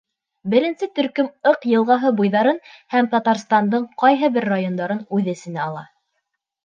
Беренсе төркөм Ыҡ йылғаһы буйҙарын һәм Татарстандың ҡайһы бер райондарын үҙ эсенә ала.